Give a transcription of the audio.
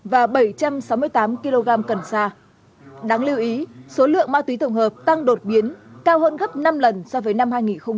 và bảy trăm sáu mươi tám kg cần sa đáng lưu ý số lượng ma túy tổng hợp tăng đột biến cao hơn gấp năm lần so với năm hai nghìn một mươi bảy